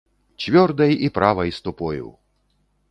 Цвёрдай і правай ступою!